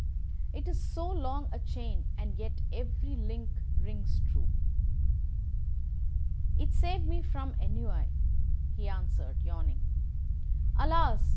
"It is so long a chain, and yet every link rings true." "It saved me from ennui," he answered, yawning. "Alas!